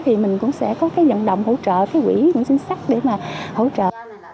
thì mình cũng sẽ có dẫn đồng hỗ trợ quỹ xin sắc để hỗ trợ